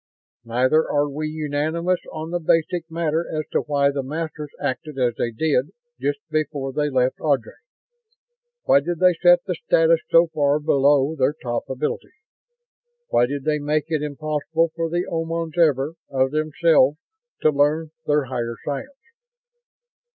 "Neither are we unanimous on the basic matter as to why the Masters acted as they did just before they left Ardry. Why did they set the status so far below their top ability? Why did they make it impossible for the Omans ever, of themselves, to learn their higher science?